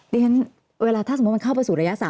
เรียนเวลาถ้าสมมุติมันเข้าไปสู่ระยะ๓